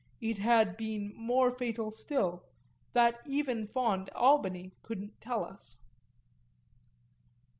It had been more fatal still that even fond Albany couldn't tell us.